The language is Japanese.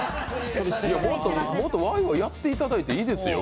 もっと、わいわいやっていただいていいですよ。